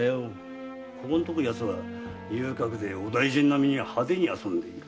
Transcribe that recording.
ここんとこ奴は遊郭でお大尽なみに派手に遊んでる。